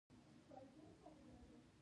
د هندوشاهیانو دوره هم دلته تیره شوې